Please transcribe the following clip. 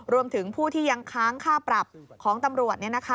รวมถึงผู้ที่ยังค้างค่าปรับของตำรวจ